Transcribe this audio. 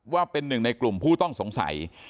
ว่าเป็นหนึ่งในกลุ่มผู้ต้องสงสัย